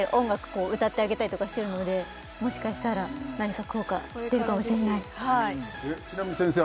こう歌ってあげたりとかしてるのでもしかしたら何か効果出るかもしれないちなみに先生